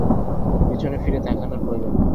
পেছন ফিরে তাকানর প্রয়োজন নেই।